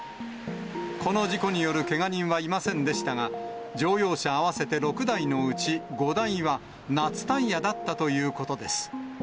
この事故によるけが人はいませんでしたが、乗用車合わせて６台のうち５台は、夏タイヤだったということです。